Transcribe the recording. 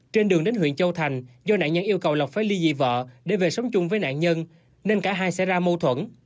trên đường đến huyện châu thành do nạn nhân yêu cầu lộc phải ly dị vợ để về sống chung với nạn nhân nên cả hai xảy ra mâu thuẫn